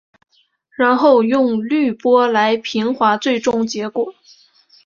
然后用滤波来平滑最终结果。